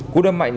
cú đâm mạnh